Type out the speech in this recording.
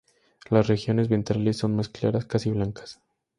Las regiones ventrales son más claras, casi blancas.